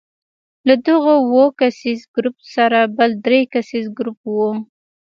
له دغو اووه کسیز ګروپ سره بل درې کسیز ګروپ وو.